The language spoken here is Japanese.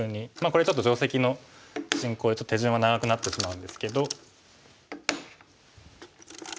これちょっと定石の進行で手順は長くなってしまうんですけど。